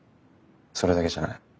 それだけじゃない。